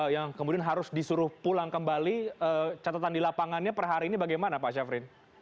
yang kemudian harus disuruh pulang kembali catatan di lapangannya per hari ini bagaimana pak syafrin